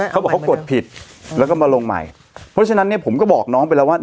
เขาบอกเขากดผิดแล้วก็มาลงใหม่เพราะฉะนั้นเนี่ยผมก็บอกน้องไปแล้วว่า